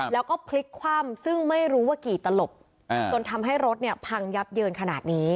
แล้วก็พลิกคว่ำซึ่งไม่รู้ว่ากี่ตลบจนทำให้รถเนี่ยพังยับเยินขนาดนี้